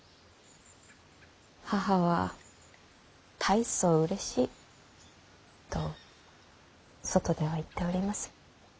「母は大層うれしい」。と外では言っております。